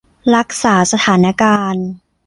รักษาสถานการณ์